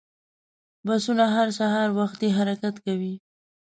بسونه هر سهار وختي حرکت کوي.